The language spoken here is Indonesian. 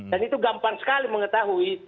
dan itu gampang sekali mengetahui